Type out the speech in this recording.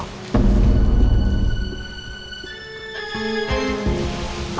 aku gak mau ya